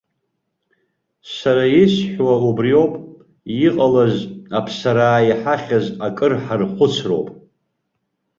Сара исҳәо убриоуп, иҟалаз, аԥсараа иҳахьыз акыр ҳархәыцроуп.